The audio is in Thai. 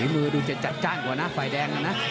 มือดูจะจัดจ้านกว่านะฝ่ายแดงนะ